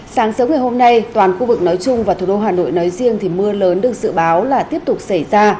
sáng sớm ngày hôm nay toàn khu vực nói chung và thủ đô hà nội nói riêng thì mưa lớn được dự báo là tiếp tục xảy ra